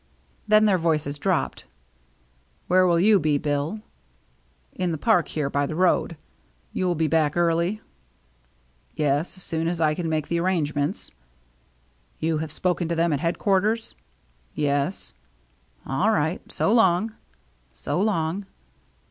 Then their voices dropped. " Where will you be, Bill ?" "In the park here, by the road. You'll be back early ?"" Yes, soon as I can make the arrangements." "You have spoken to them at head quarters ?" "Yes." " All right. So long." " So long."